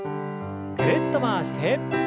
ぐるっと回して。